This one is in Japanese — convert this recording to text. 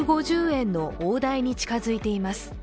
１５０円の大台に近づいています。